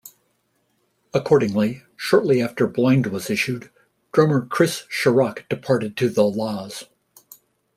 Accordingly, shortly after "Blind" was issued, drummer Chris Sharrock departed to The La's.